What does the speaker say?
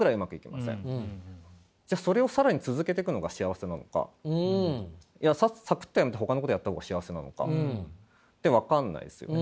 じゃあそれを更に続けてくのが幸せなのかいやサクッと辞めてほかのことやった方が幸せなのか。って分かんないですよね。